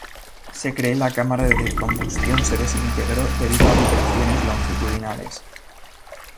Se cree la cámara de combustión se desintegró debido a vibraciones longitudinales.